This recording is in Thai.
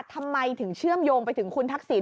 ทำไมถึงเชื่อมโยงไปถึงคุณทักษิณ